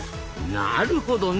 なるほどね。